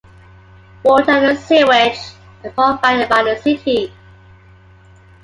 Water and sewage are provided by the city.